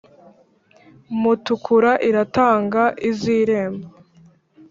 Mutukura iratanga iz’irembo,